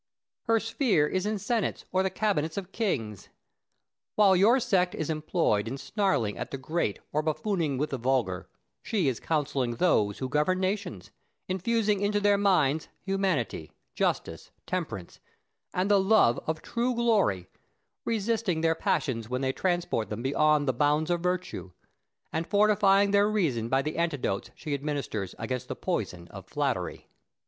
Her sphere is in senates or the cabinets of kings. While your sect is employed in snarling at the great or buffooning with the vulgar, she is counselling those who govern nations, infusing into their minds humanity, justice, temperance, and the love of true glory, resisting their passions when they transport them beyond the bounds of virtue, and fortifying their reason by the antidotes she administers against the poison of flattery.